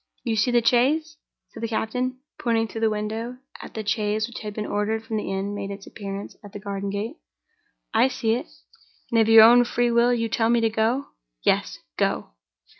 "You see the chaise?" said the captain, pointing through the window as the chaise which had been ordered from the inn made its appearance at the garden gate. "I see it." "And, of your own free will, you tell me to go?" "Yes. Go!"